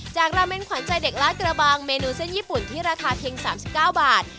ราเมนขวัญใจเด็กลาดกระบังเมนูเส้นญี่ปุ่นที่ราคาเพียง๓๙บาท